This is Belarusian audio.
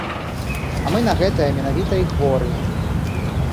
А мы на гэтае менавіта і хворыя.